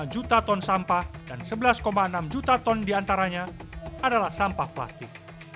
lima juta ton sampah dan sebelas enam juta ton diantaranya adalah sampah plastik